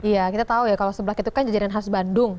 iya kita tahu ya kalau seblak itu kan jajanan khas bandung